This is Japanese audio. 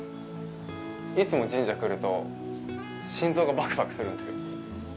いつも神社来ると心臓がばくばくするんですよ。